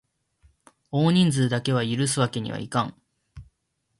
多人数だけは許すわけにはいかん！